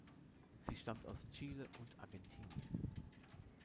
Sie stammt aus Chile und Argentinien.